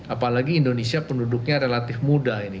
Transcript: apalagi indonesia penduduknya relatif muda ini